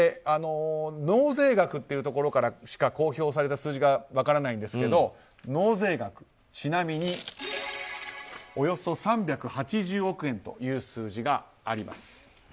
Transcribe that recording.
納税額というところからしか公表された数字が分からないんですが納税額、ちなみにおよそ３８０億円という数字があります。